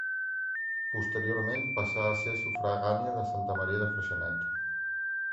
Posteriorment passà a ser sufragània de Santa Maria de Freixenet.